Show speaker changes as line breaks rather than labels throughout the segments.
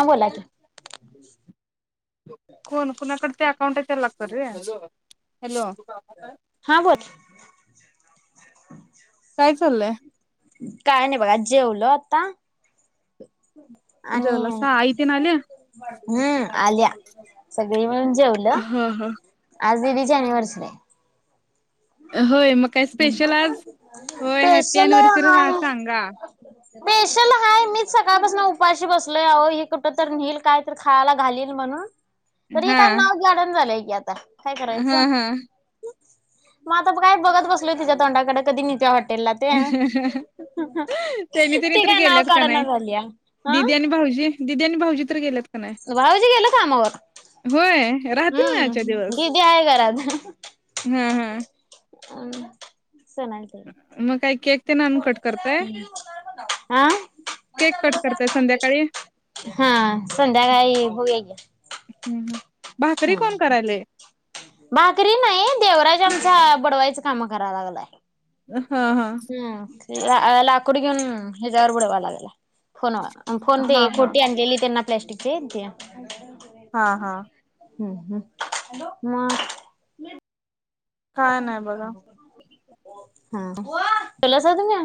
हा बोला की
कोण कोणाकड ते अकाउंट आहे त्या लाग हॅलो.
हा बोल.
काय चाललंय?
काय नाही बघा जेवलं आता. आणि
जेवलासा आई तेन आल्या
हम्म आल्या. सगळी मिळून जेवलं
ह ह
आज दिदी जानेवर्च नाही.
होय मग काय स्पेशल आज होय हॅपी
पेसला
अनिव्हर्सरी
कााय?
सांगा
स्पेशल हा मीच सकाळपासून उपाशी बसलोय हे कुठ तर न निल काय तर खायला घालील म्हणून तर हे काय नाव जाणून झालंय की आता काय
हम्
करायचं
हम्.
मग आता काय बघत बसलय तिच्या तोंडाकडे कधीत्या वाटत.
अ. त्यांनी त्यांनी
ती
तर
काय नाव
गेल्यात का
काढना
नाही
झाल्या हा
दिदी आणि भाऊजी दिदी आणि भाऊजी तर गेल्यात का? नाही
भाऊजी गेलं कामावर
होय राहतील ना
हम्म
आजच्या दिवस
दिदी आहे घराात
हा हा
ह चनत आहे.
ते नान कट करताय.
आं.
केक कट करतय संध्याकाळी
हा संध्याकाळी होऊया.
भाकरी
ह
कोण करायलय
भाकरी नाही देवराज आमच्या बडवायच. काम कराव लागलं आहे.
हा हा.
लाकूड घेऊन ह्याच्यावर बुडवा लागला फोन फोन ते
हा हा
खोटी आणलेली त्यांना प्लास्टिकचे इेत आहे.
हा हा.
हम्म हम् म ून म [unintelligible]
काय नाही बघा
हम! पाहिल्यासारखं ना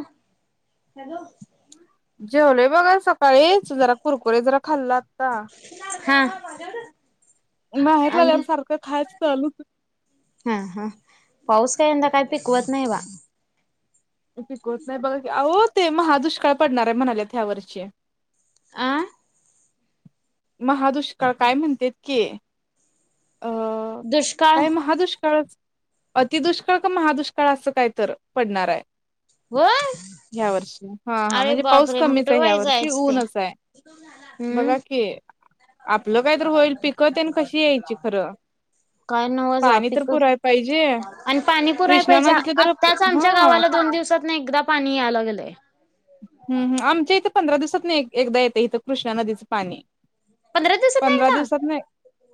जेवलोय बघा सकाळीच जरा कुरकुरे जरा खाल्ला आता.
हा!
माहेरला आल्यावर
आणि
सारखं खायच चालूच
हा हा. पाऊस काय यंदा काही पिकवत नाही बा?
पिकवत नाही बघा की आहो ते महा दुष्काळ पडणार आहे म्हणाल्यात ह्यावर्षी
आं!
महादुष्काळ काय म्हणते त की अ
दुष्काळ
काय महा दुष्काळचं अति दुष्काळ क महादुष्काळ असं काय तर पडणार आहे.
होय
ह्या वर्षी हा हा
अरे
म्हणजे पाऊस
बापरे मग
कमीच
कुठं
आहे, ह्या
बाई
वर्षी
जायचं ते
ऊनच आहे. बघा
हम्म!
की आपलं काय तर होईल पिक तेन कशी यायची खरं.
काय नवच बा
पाणी तर
पिक
पुराय पाहिजे
आणि पाणी पुराय
कृष्णा
पाहिजे
नदीतलं तर
आत्ताच आमच्या
हा
गावाला दोन दिवसात ना एकदा पाणी या लागलयं.
हम्! हम! आमच्या इथे पंधरा दिवसातन एकदा येते इथं कृष्णा नदीचं पाणी.
दिवसात ना
पंधरा
एकदा
दिवसात नाही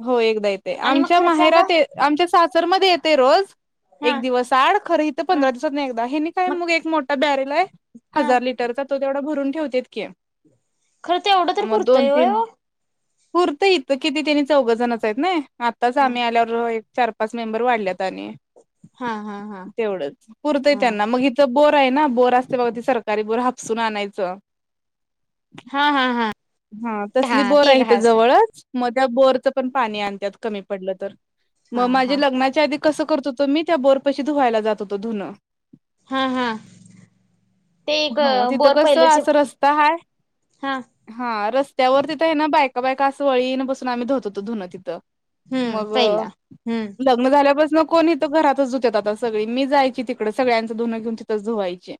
हो एकदा इथे
आणि मग
आमच्या
खर्च आला
माहेरात. आमच्या सा सर मध्ये येते रोज
हा
एक दिवस आड खरं इथं
हा
पंधरा दिवसात नाही एकदा हे नाही काय मग एक मोठा ब्यारेल आहे
हा
हजार लिटर तो तेवढा भरून ठेवतेत की.
खरं तेवढं तर
मग दोन
पुरतं व्हय
तीन
ओ.
पुरतं इथं किती त्यांनी चौघ जणच आहेत ना आताच आम्ही आल्यावर चार पाच मेंबर वाढल्यात, आणि
हा हा हा
तेवढ पुरतंय
हा
त्यांना मगं इथं बो आहे ना बोर असते बघ ते सरकारी बोर हापसून आणायचं.
हा हा हा
हा तसली बोर
ते
आहे हित
काय असं
जवळच मगं त्या बोरच पण पाणी आणतात कमी पडलं तर
हा
मगं
हा
माझे लग्नाच्या आधी कसं करत होतो मी त्या बोर पशी धुवायला जात होतो धुनं
हा! हा! ते एक
ह तिथं
बोर
कसं
पहिलंचे
अस रस्ता हाय
हा
हा रस् त्यावर तिथं हे ना बा बायका बायका असं वळीन बसून आम्ही धुत होतो धूण तिथं.
हम्म पहिला
मगं
हम्म
लग्न झाल्यापासन कोणी तर घरातच धुत्यात आता सगळी मी जायची तिकडे सगळ्यांच धुनं घेऊन तिथंच धुवायचे.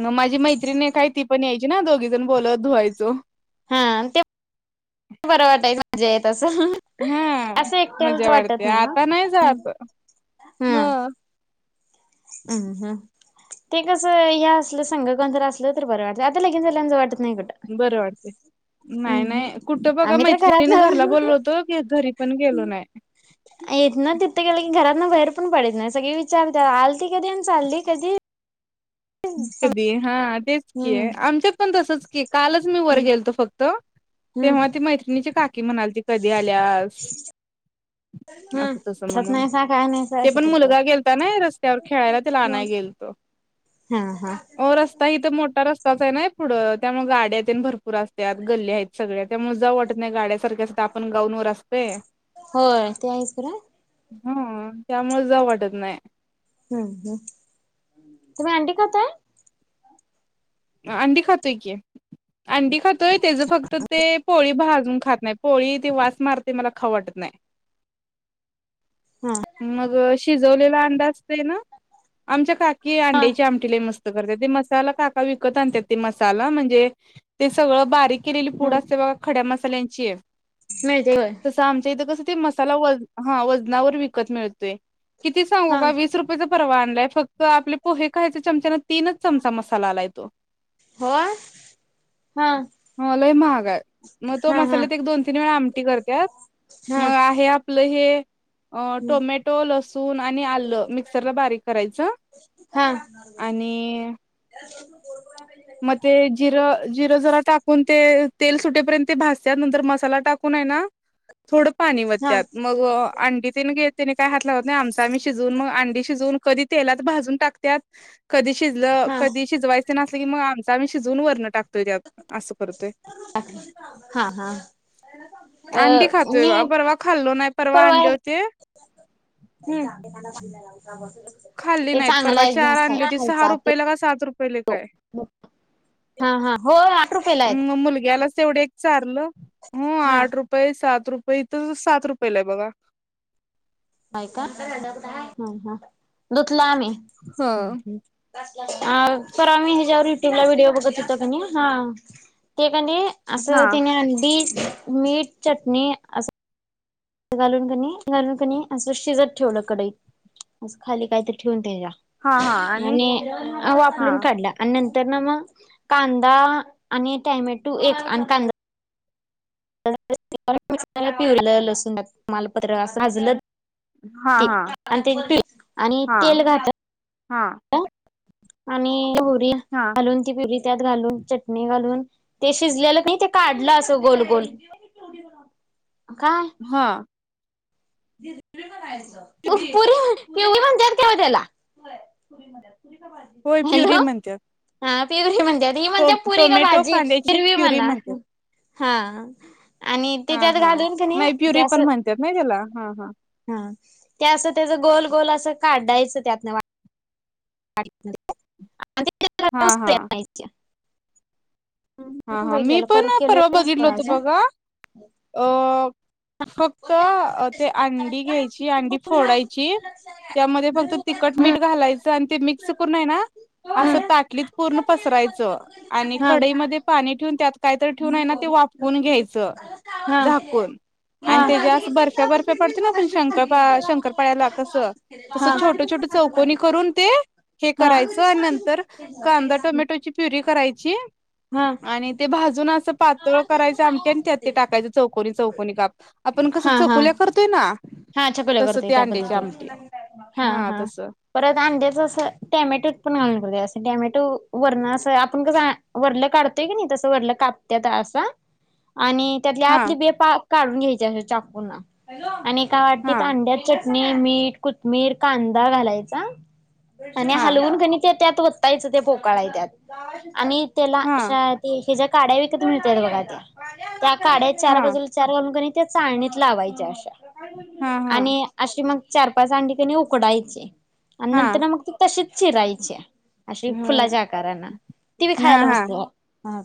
मग माझी मैत्रीण आहे काय ती पण यायची ना दोघी जण बोलत धुवायचो.
हा! ते बरं वाटायच म्हणजे येत असं
हा
असं एकट्यालाच
मजा वाटते
वाटत ओ
आता नाही जात हम!
हम्! हम्! ते कसं हे असलं संग असलं तर बरं वाटतं आता लगीन झाल्यावर जावू वाटत नाही कुठं.
बरं वाटतय. नाही
अहं.
नाही कुठं बघा
आम्ही तर
मैत्रिणीने
घरातन
घरला बोलवलेल होतो घरी पण गेलो नाही.
आहेत ना तिथ? गेलं की घरात ना बाहेर पण पडत नाही सगळी विचार आलती कधी अन चालली कधी?
कधी हा तेच की
हम्म
आहे आमच्यात पण तसचं कालच मी वर गेलतो फक्त
हम्म
तेव्हा ती मैत्रिणीची का कि म्हणाली ती कधी आल्यास?
हम्!
असं तसं
[inaudible]
म्हणून
नाही काय? नाही सा
ते
असं
पण
करतो.
मुलगा गेलता ना रस्त्यावर खेळायला तेला आणायला गेलतो.
हा हा
हो! रस्ता आहे हित मो मोठा रस्ताच आहे ना पुढं त्यामुळे गाड्या भरपूर असतात गल्ली आहेत सगळ्या त्यामुळे जाऊ वाटत नाही गाड्या त्यात आपण गाऊनवर असते.
होय ते आहेस बरा
हा त्यामुळेच जाऊ वाटत नाही
हम्म हम् तुम्ही अंटी काताय
अंडीी खातो क अंटी खातोय त्याच फक्त ते पोळी भाजून खात नाही पोळी ते वास मारते मला खावटत नाही
हा
[inaudible] मग शिजवलेला अंड असत ना आमच्या ख कि
हा
अंड्याची आमटीला मस्त करते ते मसाला का विकत आणत ते मसाला म्हणजे ते सगळं बारीक केलेली
हा
फूड असते बघ खड्या म आ
मिळते होय
म व व मितोय कि
हा
का रुप परवा आणलाय फक्त आपले पोहे कायच्या चमना तीनच चमचा मसाला लाय तो
हो हा
ह लय महाग मग तो
हा हा
मसालेत एक दोन तीन वेळा आमटी करतत
हा
मग आहे आपलं हे अ टोमॅटो लसूण आणि आलं मिक्सरला बारीक करायचं
हा
आणि मग ते जि जिर जरा टा कोण ते तेल सुटेपर्यंत ते भासत नंतर मसाला टाकून आहे ना थोडं पाणी व
हा
त्यात मग अंडी त घेत त्याने काय हात लागत नाही आमचा आम्ही शिजून मग अंडी शिजवून कधी तेलात भाजून टाकत कधी शिजलं
हा
कधी शिजवायच नसलं की मग आम आम् शिजवून वरणं टातो त असं करतोय
हा हा अ
अंडी खातोय
मी
परवा खाल्लो नाही परवा आणले होते
सुंदर आ
खाल्ली
ते
नाहीत
चांगलं
परवा
आहे
चार आणली होती सहा
खायचा
रुपयेला का सात रुपयेला काय
हा हा हो आठ रु फेला आहेत
वढ चारलं
हा
आठ रुपये सात रुपये इथ सात रुपयेला आहे बघा
य का ह हा द आ ह बत हो
हा.
हा ते
हा
असने अगदी मीठ चटणी अस घालून क घालून क अस शिजत ठेवलं कडई अस खाली काहीत ठेवून
हा हा
आणि
हा
वापरून काढला आणि तर ना मग कांदा आणि टॅमॅटो एक आणि कांदा मिक्र पिवलं लसू मालपत्र अस भाजलं
हा हा
आणि ते प आणि
हा
तेल घात
हा
आणि होरी
हा
घालून ती परी त्यात घालून चटणी घालून ते शिजलेलं ते काढलं अस गोल गोल काय
हा
पुरी पिववी म्हणतात केव त्याला
होय प्युरी
हॅलो
म्हणतात
ह ते म्हण ह
टो
म्हण पुरी का
टोमॅटो
भाजी
कांद्याची
हिरवी
प्युरी
म्हणा
म्हणतात.
हा आणि ते
हा
त्यात
हा
घालून क नाही त्या
प्युरी
अस
पण म्हणतात नाही त्याला हा
हा ते असं त्याच गोल गोल असं काढायचं त्यातन
हा हा.
[inaudible]
हा हा मी
बघितलेलं
पण
कर
परवा बघितल होतो
केलेलं
बघा अ फक्त ते अंडी घ्यायची अंडी फोडायची त्यामध्ये फक्त तिखट मीठ घालायचं आणि ते मिक्स पण आहे ना असं ताटलीत पूर्ण पसरायचं आणि कढईमध्ये पाणी ठेवून त्यात काहीतरी ठेवून आहे ना ते वापून घ्यायचं झाकून आणि तेच्या बर्फ्या बर्फ्या पडते ना पण शं शंकरपाळ्याला कसं तसं छोट छोट चौकनी करून ते हे करायचं आणि नंतर कांदा टोमॅटोची प्युरी करायची
हम
आणि ते भाजून असं पातळ करायचं आमट्या आणि त्यात ते टाकायचं चौकोनी चौकोनी काप आपण कसं
हा हा
चकुल्या करतोय ना
हा चकोले
तसं
करतोय
ते
त्या
अंड्याची
पद्धती
आमटी
हा हा परत आंड्याच अस टॅमॅटो ण घा कर अस टॅमॅटो वरण असं आपण कसं वरलं काढतोय की नाही तसं वरलं कापत असं
[inaudible]
आणि त्यातली
हा
आतली बी पाक काढून घ्यायची अस चाकूना आणि एका
हा
वाटीत अंड्या च चटणी मीठ कोथमीर कांदा घालायचा आणि
हा
हलवून क नई त्यात वतायचं ते पोकाळय त्यात आणि त्याला
हा
ते तेच्या काड्या विकत मिळतात बघा त्या त्या काड्या चार
हा
बाजूला चार घालून कनइ त्या चाळणीत लावायच्या अशा
हा हा
आणि अशी मग चार पाच अंडी कनी उकडायचे आणि
हा
नंतर मग ते तसेच चिरायचे अशी
हा
फुलाच्या आकार ना ती बी
हा
खायला मस्त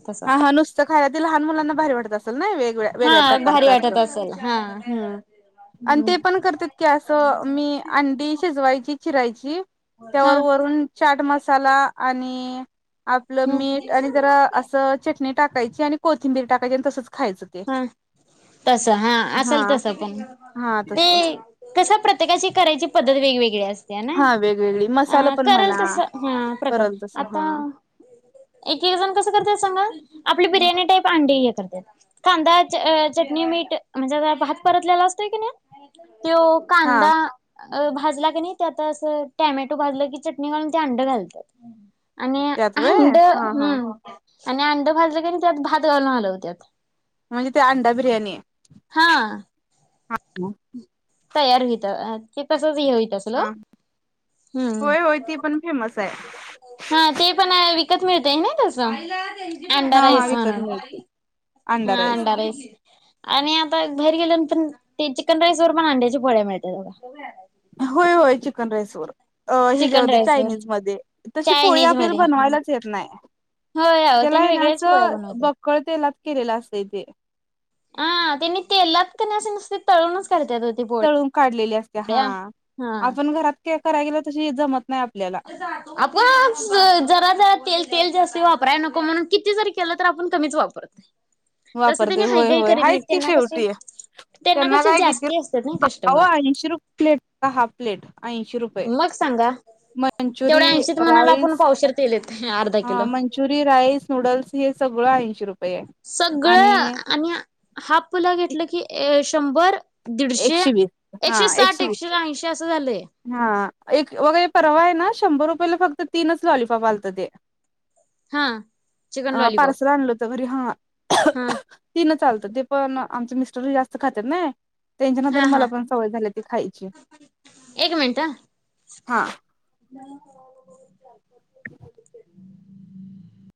तसा
हा हा नुसत खाला ते लहान मुलांना भारी वाटत असेल ना वेग वगळ्या वेगळ्या
हा
प्रकारच
भारी
अस
वाटत असेल हा
हम्म आणि ते पण करतात की अस मी अंडी शिजवायची चिरायची त्यावर
हा
वरून चाट मसाला आणि आपलं मीठ आणि जरा असं चटणी टाकायची आणि कोथिंबीर टाकायची आणि तसंच खायचं ते
हा तस हा असेल तस पण
हा तस
ते कस प्रत्येकाची करायची पद्धत वेगवेगळी ना
हा वेगवेगळी मसाला
अ
पण
करेल
म्हणा
तस हा प्रकार
करल तस हा
आता एक एक जण कसं करतय सांगा आपली बिर्याणी टाईप अंडी य कांदा चटणी मीठ म्हणजे भात परतलेला असतोय की नाही त्यो
हा
कांदा अ भाजला का नाही ते आता अस टॅमॅटो भाजलं की चटणी घालून ते अंड घालतात आणि
त्यात वय
अंड
हा हा
हम्म आणि अंड भाजलं की नाही त्यात भात घालून हलवत्यात
म्हणजे ते अंडा बिर्याणी
हा तयार होत ते तसच हे होईत असल हम्म
होय होय ती पण फेमस आहे
हा ते पण विकत मिळतय ना तस अंडा
हा हा
राईस
विकत
म्हणून
मिळते
हा अंडा राईस आणि आता भाईर गेल्यानंतर ते चिकन राईस वर पण अंड्याची पोळ्या मिळते तोघ
होय होय चिकन राईस वर अ
चिकन
ह्याच्यामध्ये
राईस वर
चायनीज मध्ये तशी पोळी
चायनीज
आपल्याला
मध्ये
बनवायलाच येत नाही
होय हो
त्याला
त्यानी
हे ना
वेगळ्याच पोळ्या
असं
बनवतात
बकळ तेलात केलेलं असतंय ते
हा त्यांनी तेलात क नय असे नुसते तळूनच करतात ओ ते
तळून काढलेली असते हा
पोळ्या हा
आपण घरात का कराय गेलं तशी जमत नाही आपल्याला
आपण जरा जरा तेल तेल जास्त वापराय नको म्हणून किती जरी केलं तर आपण कमीच वापरत
वापरते होय होय हायच की
कशी
शेवटी त्यांना
कसे
काय घेतील
जास्ती असतात ना
होह
कस्टमर
ऐंशी रुप हाफ प्लेट ऐंशी रुपये
मग सांगा तेवढ्या
मंचुरी
ऐंशीत म्हणाला आपण
राईस
पावशेर तेल येतंय अर्धा
हा
किलो
मंचुरी राईस नूडल्स ह सगळं ऐंशी रुपये
सगळं आणि हापला घेतलं की शंभर दीडशे
एकशे वीस हा
एकशे साठ
वीस
एकशे ऐंशी असं झालंय
हा एक वगैरे परवा आहे ना शंभर रुपयला फक्त तीनच लॉलीफॉप आलत ते
हा चिकन लॉलीपॉप
बरी हा
हा
तीनच आलत ते पण आमचे मिस्टर जास्त खात्यात नई
हा
त्यांच्यानंतर मला
हा
पण सवय झाली ती खायची.
पेटा
हा